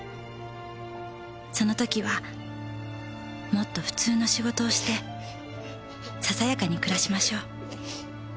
「その時はもっと普通の仕事をしてささやかに暮らしましょう」